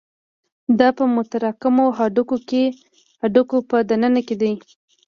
دا په متراکمو هډوکو په دننه کې دي.